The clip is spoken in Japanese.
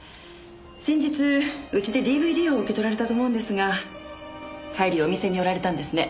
先日うちでＤＶＤを受け取られたと思うんですが帰りお店に寄られたんですね。